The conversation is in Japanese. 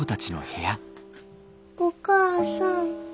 お母さん。